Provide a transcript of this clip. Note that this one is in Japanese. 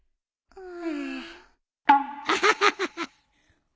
うん。